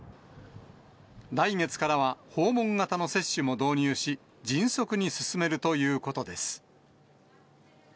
来月からは訪問型の接種も導入し、迅速に進めるということです。